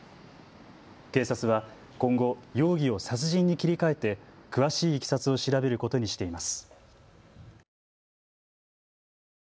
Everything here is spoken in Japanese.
警察は今後、容疑を殺人に切り替えて詳しいいきさつを調べることにしています。